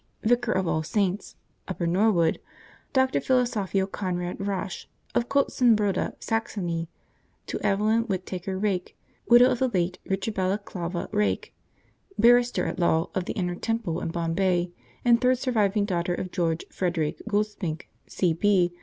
Vicar of All Saints, Upper Norwood, Dr. Philosophial Konrad Rasch, of Koetzsenbroda, Saxony, to Evelyn Whitaker Rake, widow of the late Richard Balaclava Rake, Barrister at law of the Inner Temple and Bombay, and third surviving daughter of George Frederic Goldspink, C.B.